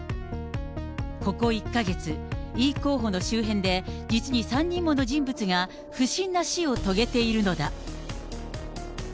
ここ１か月、イ候補の周辺で、実に３人もの人物が、不審な死を遂げているのだ。